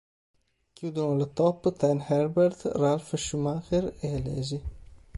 Chiudono la top ten Herbert, Ralf Schumacher e Alesi.